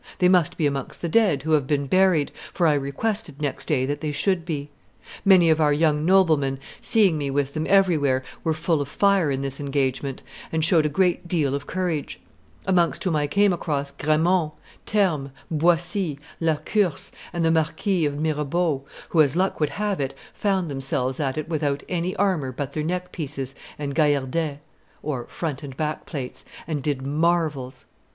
They must be amongst the dead who have been buried, for I requested next day that they should be. Many of our young noblemen, seeing me with them everywhere, were full of fire in this engagement, and showed a great deal of courage; amongst whom I came across Gramont, Termes, Boissy, La Curse, and the Marquis of Mirebeau, who, as luck would have it, found themselves at it without any armor but their neck pieces and gaillardets (front and back plates), and did marvels.